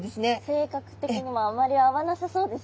性格的にもあまり合わなさそうですよね。